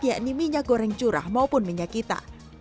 yakni minyak goreng curah maupun minyak kita